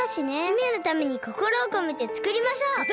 姫のためにこころをこめてつくりましょう。